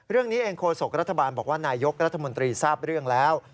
เรื่องนี้เองโฆษกรัฐบาลบอกว่านายกรัฐมนตรีทราบเรื่องแล้ว